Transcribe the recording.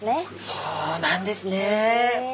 そうなんですね。